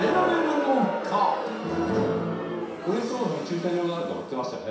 これ行くと駐車場があるとか言ってましたよね？